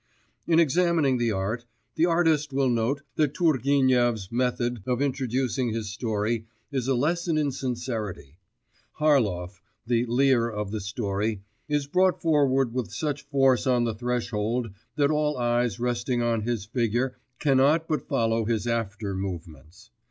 In examining the art, the artist will note that Turgenev's method of introducing his story is a lesson in sincerity. Harlov, the Lear of the story, is brought forward with such force on the threshold that all eyes resting on his figure cannot but follow his after movements.